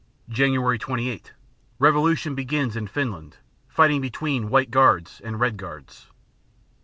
Jan. 28 Revolution begins in Finland; fighting between "White Guards" and "Red Guards."